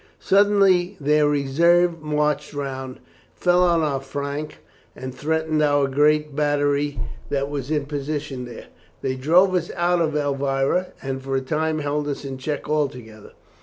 "Suddenly their reserve marched round, fell on our flank, and threatened our great battery that was in position there. They drove us out of Elvira, and for a time held us in check altogether.